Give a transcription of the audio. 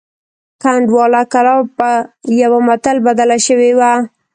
کنډواله کلا په یوه متل بدله شوې وه.